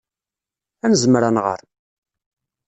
Ad nezmer ad nɣer.